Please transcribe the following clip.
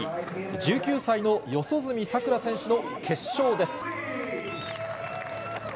１９歳の四十住さくら選手の決勝です。